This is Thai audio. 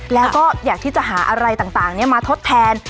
แล้วก็อยากที่จะหาอะไรต่างมาทดแทน